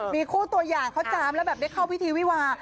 มีคู่ตัวอย่างเขาจามแล้วแบบได้เข้าพิธีวิวา